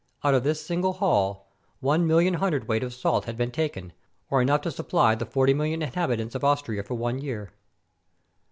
Out of this single hall 1,000,000 hundredweight of salt had been taken, or enough to supply the 40,000,000 inhabitants of Austria for one year.